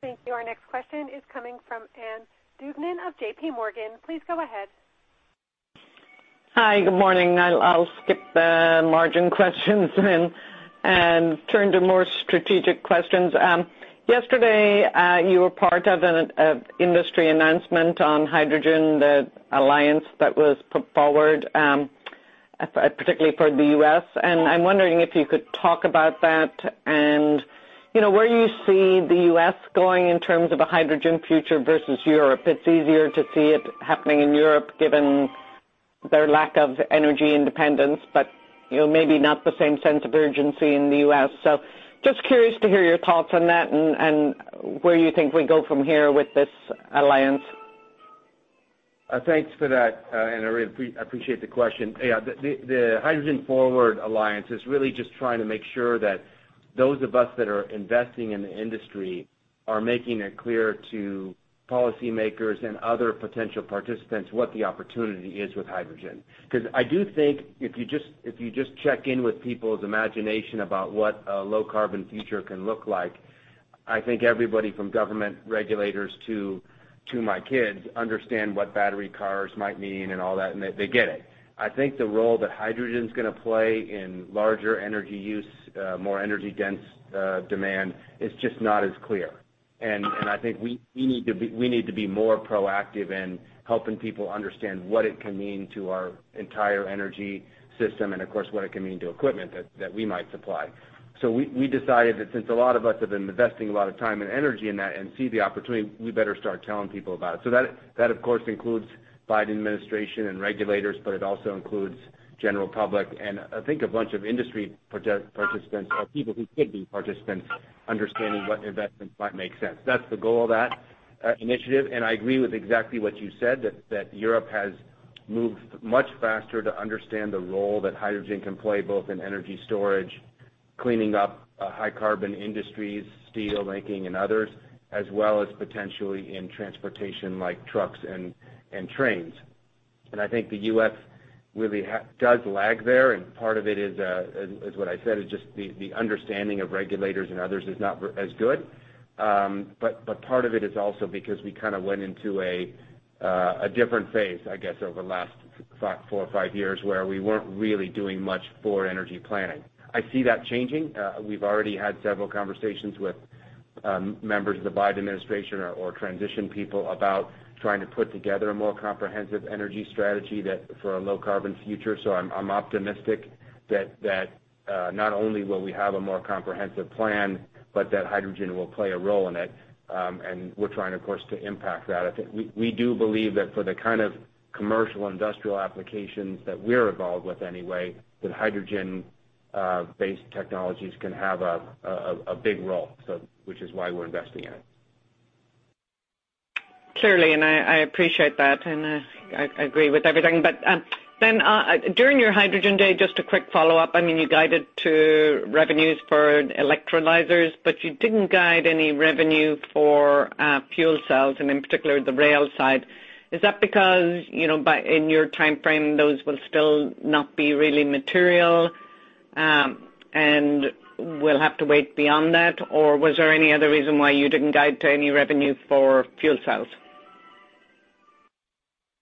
Thank you. Our next question is coming from Ann Duignan of J.P. Morgan. Please go ahead. Hi, good morning. I'll skip the margin questions and turn to more strategic questions. Yesterday, you were part of an industry announcement on hydrogen, the alliance that was put forward, particularly for the U.S. I'm wondering if you could talk about that and where you see the U.S. going in terms of a hydrogen future versus Europe. It's easier to see it happening in Europe, given their lack of energy independence. Maybe not the same sense of urgency in the U.S. Just curious to hear your thoughts on that and where you think we go from here with this alliance. Thanks for that, and I really appreciate the question. Yeah, the Hydrogen Forward Alliance is really just trying to make sure that those of us that are investing in the industry are making it clear to policymakers and other potential participants what the opportunity is with hydrogen. I do think if you just check in with people's imagination about what a low-carbon future can look like, I think everybody from government regulators to my kids understand what battery cars might mean and all that, and they get it. I think the role that hydrogen's going to play in larger energy use, more energy-dense demand is just not as clear. I think we need to be more proactive in helping people understand what it can mean to our entire energy system and of course, what it can mean to equipment that we might supply. We decided that since a lot of us have been investing a lot of time and energy in that and see the opportunity, we better start telling people about it. That, of course, includes Biden administration and regulators, but it also includes general public and I think a bunch of industry participants or people who could be participants understanding what investments might make sense. That's the goal of that initiative. I agree with exactly what you said, that Europe has moved much faster to understand the role that hydrogen can play, both in energy storage, cleaning up high-carbon industries, steel making, and others, as well as potentially in transportation like trucks and trains. I think the U.S. really does lag there. Part of it is what I said, is just the understanding of regulators and others is not as good. Part of it is also because we kind of went into a different phase, I guess, over the last four or five years, where we weren't really doing much for energy planning. I see that changing. We've already had several conversations with members of the Biden administration or transition people about trying to put together a more comprehensive energy strategy for a low-carbon future. I'm optimistic that not only will we have a more comprehensive plan, but that hydrogen will play a role in it. We're trying, of course, to impact that. I think we do believe that for the kind of commercial industrial applications that we're involved with anyway, that hydrogen-based technologies can have a big role. Which is why we're investing in it. Clearly, I appreciate that, and I agree with everything. During your Hydrogen Day, just a quick follow-up. You guided to revenues for electrolyzers, but you didn't guide any revenue for fuel cells and in particular, the rail side. Is that because in your timeframe, those will still not be really material, and we'll have to wait beyond that? Or was there any other reason why you didn't guide to any revenue for fuel cells?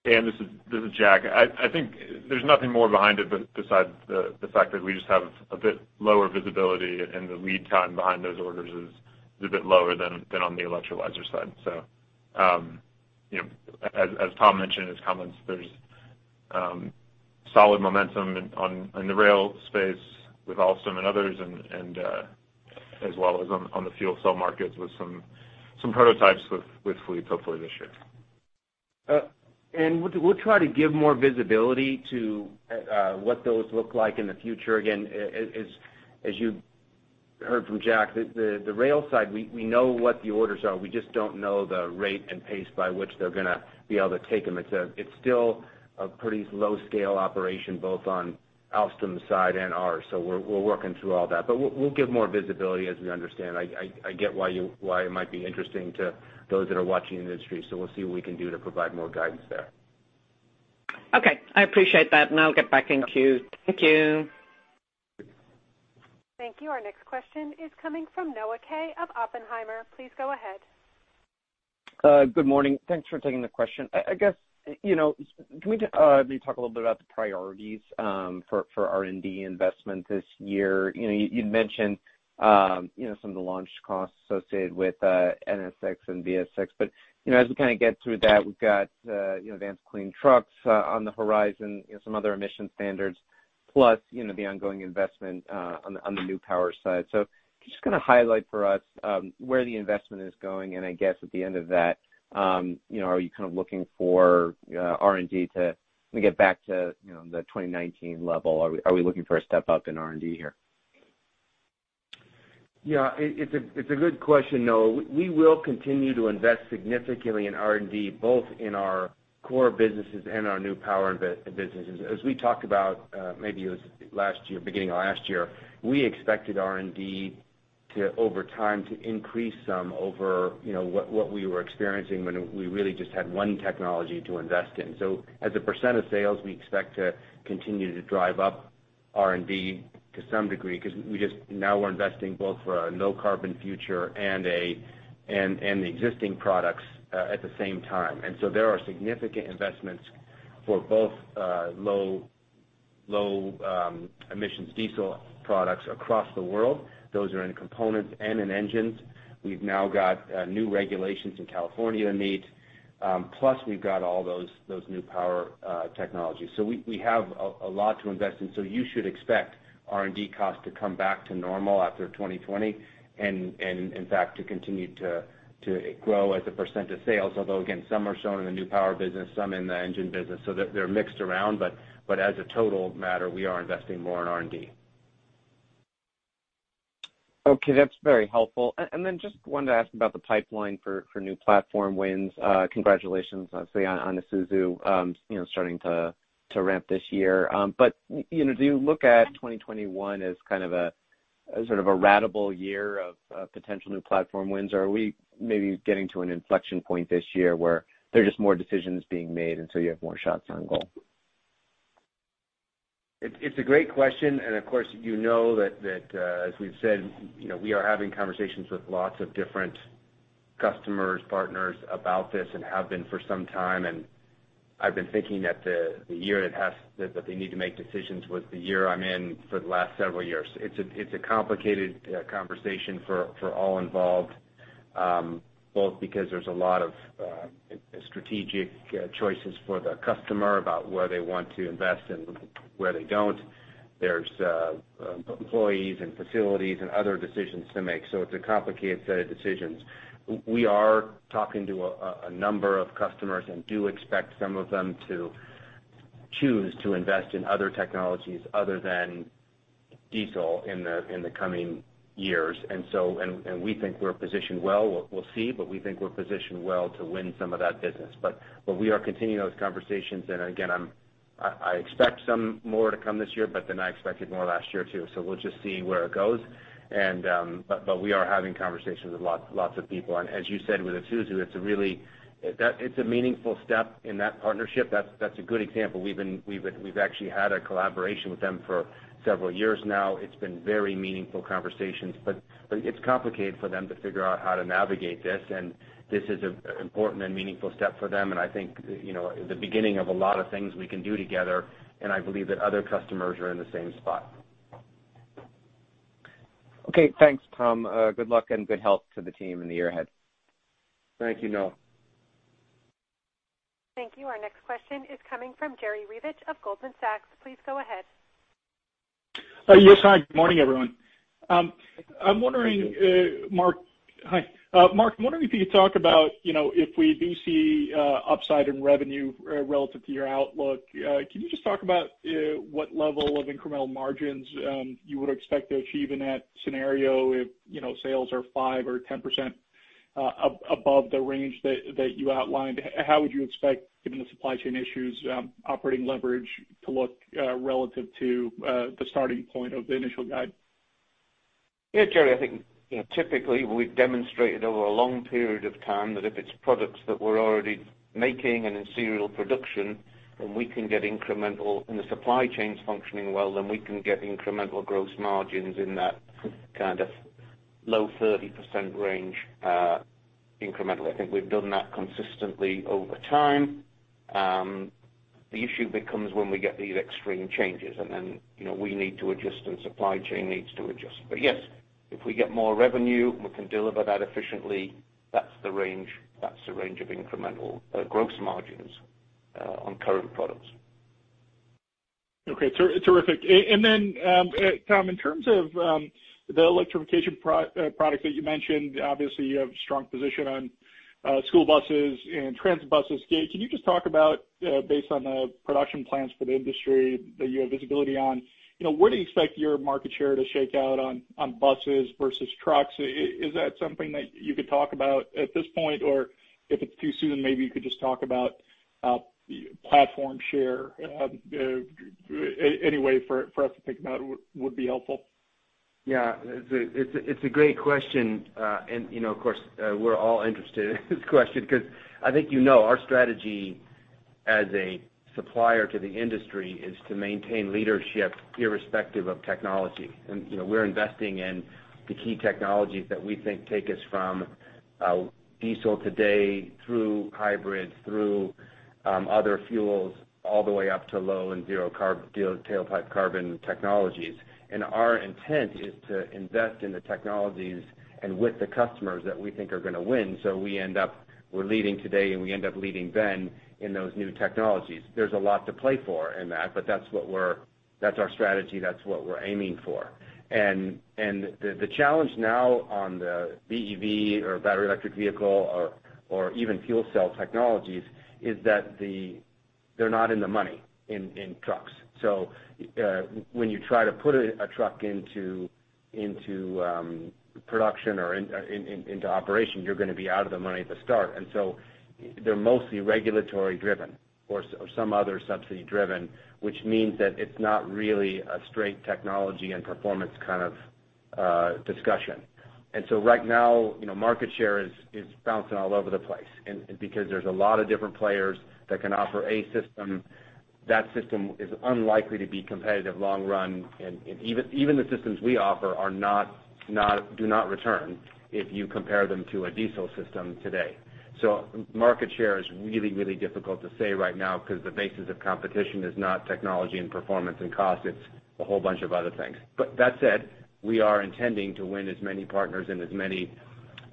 Ann, this is Jack. I think there's nothing more behind it besides the fact that we just have a bit lower visibility, and the lead time behind those orders is a bit lower than on the electrolyzer side. As Tom mentioned in his comments, there's solid momentum in the rail space with Alstom and others, and as well as on the fuel cell markets with some prototypes with fleets hopefully this year. We'll try to give more visibility to what those look like in the future. Again, as you heard from Jack, the rail side, we know what the orders are. We just don't know the rate and pace by which they're going to be able to take them. It's still a pretty low-scale operation, both on Alstom's side and ours. We're working through all that. We'll give more visibility as we understand. I get why it might be interesting to those that are watching the industry, so we'll see what we can do to provide more guidance there. Okay. I appreciate that, and I'll get back in queue. Thank you. Thank you. Our next question is coming from Noah Kaye of Oppenheimer. Please go ahead. Good morning. Thanks for taking the question. I guess, can we just maybe talk a little bit about the priorities for R&D investment this year? You'd mentioned some of the launch costs associated with NS VI and BS VI, but as we kind of get through that, we've got Advanced Clean Trucks on the horizon, some other emission standards, plus the ongoing investment on the new power side. Just kind of highlight for us where the investment is going, and I guess at the end of that, are you kind of looking for R&D to get back to the 2019 level? Are we looking for a step up in R&D here? Yeah, it's a good question, Noah. We will continue to invest significantly in R&D, both in our core businesses and our new power businesses. As we talked about, maybe it was last year, beginning of last year, we expected R&D to, over time, to increase some over what we were experiencing when we really just had one technology to invest in. As a % of sales, we expect to continue to drive up R&D to some degree because we just now are investing both for a low-carbon future and the existing products at the same time. There are significant investments for both low emissions diesel products across the world. Those are in components and in engines. We've now got new regulations in California to meet, plus we've got all those new power technologies. We have a lot to invest in. You should expect R&D costs to come back to normal after 2020 and in fact, to continue to grow as a % of sales. Although, again, some are shown in the New Power business, some in the Engine business, so they're mixed around. As a total matter, we are investing more in R&D. Okay. That's very helpful. Just wanted to ask about the pipeline for new platform wins. Congratulations, obviously, on Isuzu starting to ramp this year. Do you look at 2021 as a ratable year of potential new platform wins? Are we maybe getting to an inflection point this year where there are just more decisions being made, and so you have more shots on goal? It's a great question. Of course, you know that as we've said, we are having conversations with lots of different customers, partners about this and have been for some time, and I've been thinking that the year that they need to make decisions was the year I'm in for the last several years. It's a complicated conversation for all involved, both because there's a lot of strategic choices for the customer about where they want to invest and where they don't. There's employees and facilities and other decisions to make. It's a complicated set of decisions. We are talking to a number of customers and do expect some of them to choose to invest in other technologies other than diesel in the coming years. We think we're positioned well. We'll see, but we think we're positioned well to win some of that business. We are continuing those conversations. Again, I expect some more to come this year, but then I expected more last year, too. We'll just see where it goes. We are having conversations with lots of people. As you said with Isuzu, it's a meaningful step in that partnership. That's a good example. We've actually had a collaboration with them for several years now. It's been very meaningful conversations. It's complicated for them to figure out how to navigate this, and this is an important and meaningful step for them, and I think the beginning of a lot of things we can do together, and I believe that other customers are in the same spot. Okay. Thanks, Tom. Good luck and good health to the team and the year ahead. Thank you, Noah. Thank you. Our next question is coming from Jerry Revich of Goldman Sachs. Please go ahead. Yes. Hi. Good morning, everyone. Thank you. Hi. Mark, I'm wondering if you could talk about if we do see upside in revenue relative to your outlook, can you just talk about what level of incremental margins you would expect to achieve in that scenario if sales are 5% or 10% above the range that you outlined? How would you expect, given the supply chain issues, operating leverage to look relative to the starting point of the initial guide? Yeah, Jerry. I think typically, we've demonstrated over a long period of time that if it's products that we're already making and in serial production, and the supply chain's functioning well, then we can get incremental gross margins in that kind of low 30% range incrementally. I think we've done that consistently over time. The issue becomes when we get these extreme changes, and then we need to adjust and supply chain needs to adjust. Yes, if we get more revenue, we can deliver that efficiently. That's the range of incremental gross margins on current products. Okay. Terrific. Tom, in terms of the electrification product that you mentioned, obviously you have a strong position on school buses and transit buses. Can you just talk about based on the production plans for the industry that you have visibility on, where do you expect your market share to shake out on buses versus trucks? Is that something that you could talk about at this point? If it's too soon, maybe you could just talk about platform share. Any way for us to think about it would be helpful. Yeah. It's a great question. Of course, we're all interested in this question because I think you know our strategy as a supplier to the industry is to maintain leadership irrespective of technology. We're investing in the key technologies that we think take us from diesel today through hybrid, through other fuels, all the way up to low and zero tailpipe carbon technologies. Our intent is to invest in the technologies and with the customers that we think are going to win. We're leading today, and we end up leading then in those new technologies. There's a lot to play for in that's our strategy. That's what we're aiming for. The challenge now on the BEV or battery electric vehicle or even fuel cell technologies is that they're not in the money in trucks. When you try to put a truck into production or into operation, you're going to be out of the money at the start. They're mostly regulatory-driven or some other subsidy-driven, which means that it's not really a straight technology and performance kind of discussion. Right now, market share is bouncing all over the place. Because there's a lot of different players that can offer a system, that system is unlikely to be competitive long run. Even the systems we offer do not return if you compare them to a diesel system today. Market share is really, really difficult to say right now because the basis of competition is not technology and performance and cost. It's a whole bunch of other things. That said, we are intending to win as many partners and as many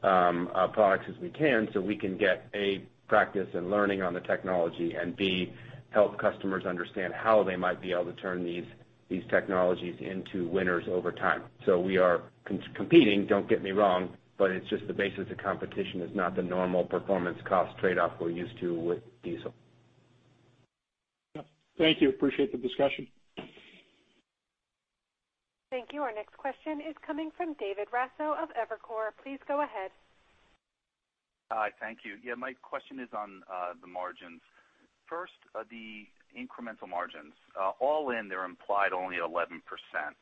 products as we can so we can get, A, practice and learning on the technology and, B, help customers understand how they might be able to turn these technologies into winners over time. We are competing, don't get me wrong, but it's just the basis of competition is not the normal performance cost trade-off we're used to with diesel. Thank you. Appreciate the discussion. Thank you. Our next question is coming from David Raso of Evercore. Please go ahead. Hi, thank you. Yeah, my question is on the margins. First, the incremental margins. All in, they're implied only at 11%.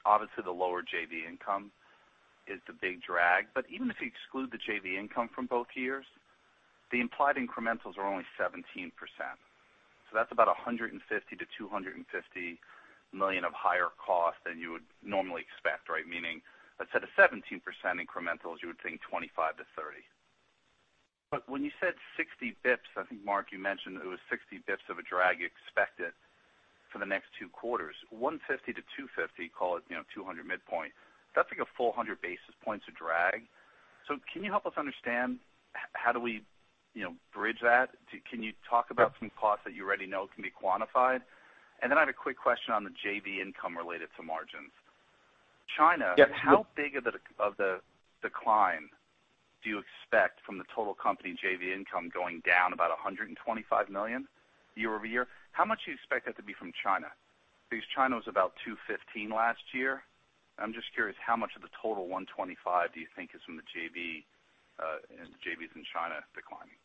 Obviously, the lower JV income is the big drag. Even if you exclude the JV income from both years, the implied incrementals are only 17%. That's about $150 million-$250 million of higher cost than you would normally expect. Meaning instead of 17% incrementals, you would think 25%-30%. When you said 60 basis points, I think, Mark, you mentioned it was 60 basis points of a drag expected for the next two quarters. 150 to 250, call it 200 midpoint, that's like a full 100 basis points of drag. Can you help us understand how do we bridge that? Can you talk about some costs that you already know can be quantified? I have a quick question on the JV income related to margins. China. Yes. How big of the decline do you expect from the total company JV income going down about $125 million year-over-year? How much do you expect that to be from China? China was about $215 last year. I'm just curious, how much of the total $125 do you think is from the JVs in China declining?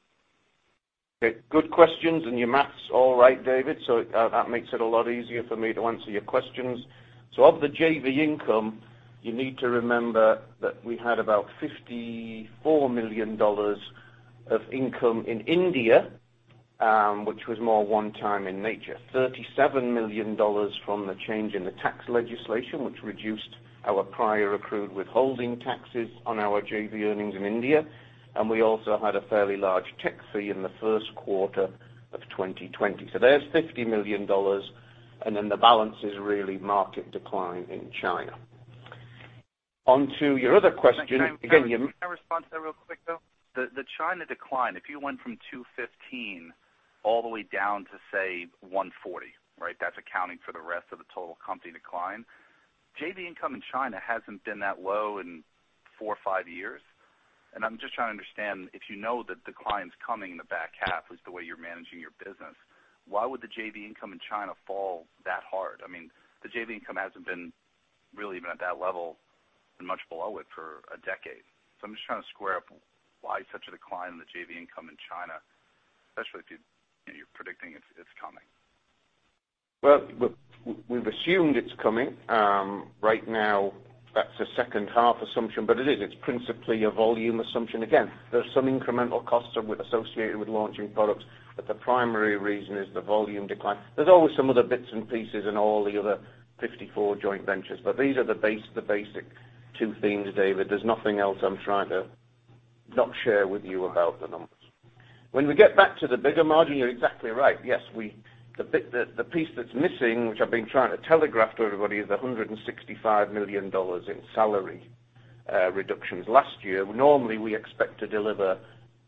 Good questions, your math's all right, David, that makes it a lot easier for me to answer your questions. Of the JV income, you need to remember that we had about $54 million of income in India, which was more one time in nature. $37 million from the change in the tax legislation, which reduced our prior accrued withholding taxes on our JV earnings in India. We also had a fairly large tech fee in the first quarter of 2020. There's $50 million, the balance is really market decline in China. On to your other question. Can I respond to that real quick, though? The China decline, if you went from $215 all the way down to, say, $140, that's accounting for the rest of the total company decline. JV income in China hasn't been that low in four or five years. I'm just trying to understand, if you know that decline's coming in the back half is the way you're managing your business, why would the JV income in China fall that hard? The JV income hasn't been really even at that level and much below it for a decade. I'm just trying to square up why such a decline in the JV income in China, especially if you're predicting it's coming. Well, we've assumed it's coming. Right now, that's a second half assumption, but it is. It's principally a volume assumption. Again, there's some incremental costs associated with launching products, but the primary reason is the volume decline. There's always some other bits and pieces in all the other 54 joint ventures, but these are the basic two themes, David. There's nothing else I'm trying to not share with you about the numbers. When we get back to the bigger margin, you're exactly right. Yes, the piece that's missing, which I've been trying to telegraph to everybody, is $165 million in salary reductions last year. Normally, we expect to deliver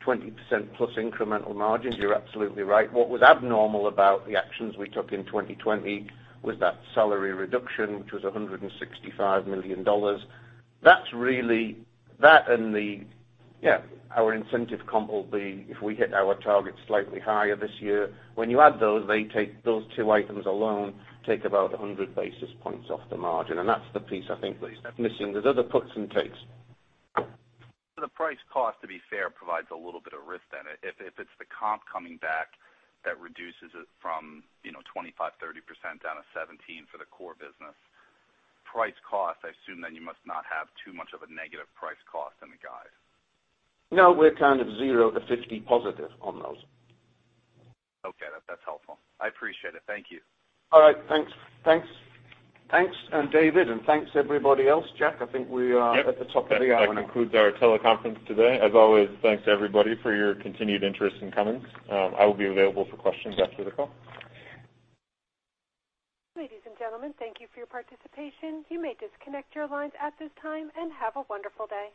20% plus incremental margins. You're absolutely right. What was abnormal about the actions we took in 2020 was that salary reduction, which was $165 million. That and our incentive comp will be, if we hit our targets slightly higher this year. When you add those two items alone take about 100 basis points off the margin, and that's the piece I think that is missing. There's other puts and takes. The price cost, to be fair, provides a little bit of risk. If it's the comp coming back that reduces it from 25%-30% down to 17 for the core business. Price cost, I assume you must not have too much of a negative price cost in the guide. No, we're kind of 0-50 positive on those. Okay, that's helpful. I appreciate it. Thank you. All right. Thanks. David, thanks everybody else. Jack, I think we are at the top of the hour now. That concludes our teleconference today. As always, thanks to everybody for your continued interest in Cummins. I will be available for questions after the call. Ladies and gentlemen, thank you for your participation. You may disconnect your lines at this time, and have a wonderful day.